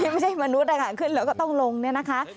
ไม่ใช่มนุษย์นะคะขึ้นแล้วก็ต้องลงเนี่ยนะคะ